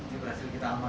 terus berhasil kita amankan